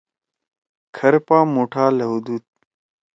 کھرپا مُوٹھا لھؤدُود۔